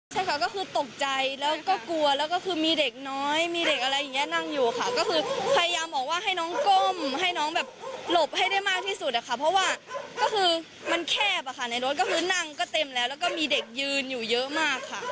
ที่แบบพันธุ์เจ็บให้น้องไม่ได้อีกแล้วใช่ค่ะแล้วมีเสียงปังระเบิดใช่ระเบิดค่ะ